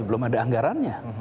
belum ada anggarannya